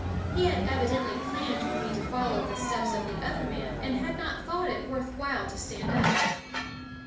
He had evidently planned for me to follow the steps of the other man, and had not thought it worth while to stand up.